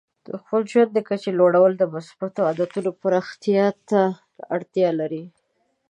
د خپل ژوند د کچې لوړول د مثبتو عادتونو پراختیا ته اړتیا لري.